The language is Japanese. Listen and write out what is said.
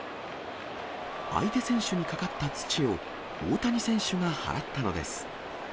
相手選手にかかった土を、大谷選手が払ったのです。